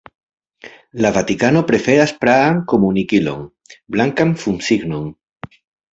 La Vatikano preferas praan komunikilon: blankan fumsignon.